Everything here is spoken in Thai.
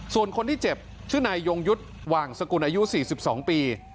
ส่วนคนที่เจ็บชื่อนายยงยุทธ์หว่างสกุลอายุ๔๒ปี